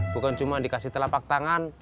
bukan cuma dikasih telapak tangan